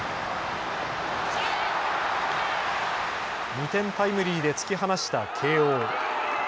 ２点タイムリーで突き放した慶応。